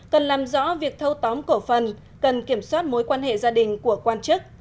cần làm rõ việc thâu tóm cổ phần cần kiểm soát mối quan hệ gia đình của quan chức